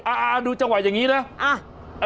อ่าดูจังหวะอย่างนี้นะ